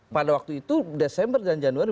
pada waktu itu desember dan januari